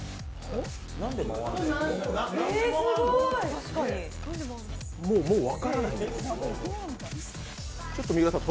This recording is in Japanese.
もう、もうもう分からないもん。